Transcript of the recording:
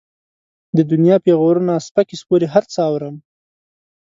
د دنيا پېغورونه، سپکې سپورې هر څه اورم.